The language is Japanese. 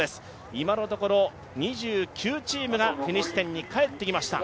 今のところ２９チームがフィニッシュ地点に帰ってきました。